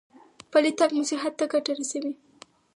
پلی تګ مو صحت ته ګټه رسوي.